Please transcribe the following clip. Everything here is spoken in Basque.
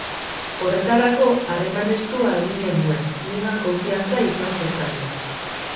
Horretarako, harreman estua egin genuen, nigan konfiantza izan zezaten.